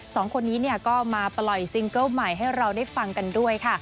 สองคนนี้เนี่ยก็มาปล่อยซิงเกิ้ลใหม่ให้เราได้ฟังกันด้วยค่ะ